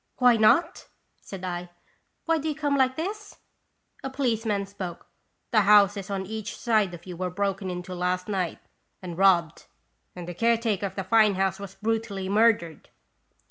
"Why not?" said I. "Why do you come like this?" A policeman spoke: "The houses on each side of you were broken into last night and robbed, and the care taker of the fine house was brutally murdered